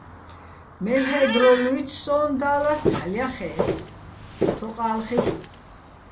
მელ'ე́ დრო ლუჲცი̆ სო́ჼ დალას, ჰ̦ალო̆ ჲახე́ს, თოყალ ხილ'ო̆.